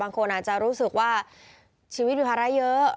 คนอาจจะรู้สึกว่าชีวิตมีภาระเยอะ